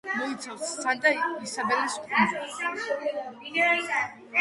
მოიცავს სანტა-ისაბელის კუნძულს.